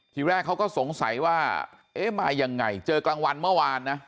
ทีแรกเขาก็สงสัยว่าเอ๊ะมายังไงเจอกลางวันเมื่อวานนะ